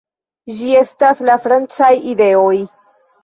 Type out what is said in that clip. Ĝi estas la francaj ideoj.